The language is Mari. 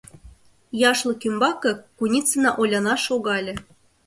Яшлык ӱмбаке Куницина Оляна шогале.